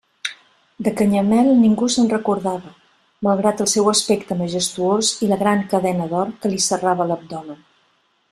De Canyamel ningú se'n recordava, malgrat el seu aspecte majestuós i la gran cadena d'or que li serrava l'abdomen.